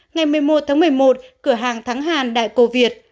ngày một mươi một tháng một mươi một cửa hàng thắng hàn đại cô việt